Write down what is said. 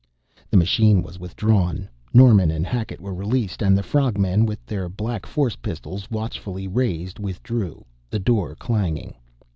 The machine was withdrawn, Norman and Hackett were released, and the frog men, with their black force pistols watchfully raised, withdrew, the door clanging.